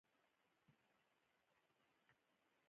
چې تاسو د کوم ځای څخه راغلي یاست